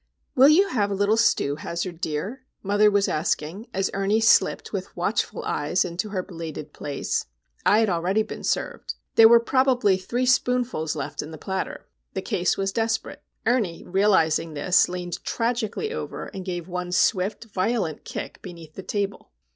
"Will you have a little stew, Hazard dear?" mother was asking, as Ernie slipped with watchful eyes into her belated place. I had already been served. There were probably three spoonfuls left in the platter. The case was desperate. Ernie, realising this, leaned tragically over, and gave one swift, violent kick beneath the table.